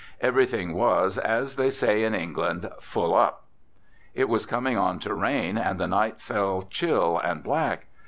Everything was, as they say in England, "full up." It was coming on to rain and the night fell chill and black.